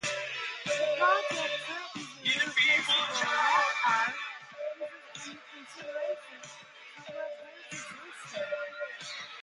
The project threatens irreplaceable rock art, which is under consideration for World Heritage listing.